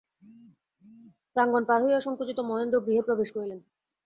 প্রাঙ্গণ পার হইয়া সংকুচিত মহেন্দ্র গৃহে প্রবেশ করিলেন।